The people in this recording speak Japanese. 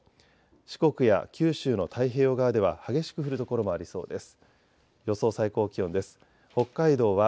四国や九州の太平洋側では激しく降る所もありそうです。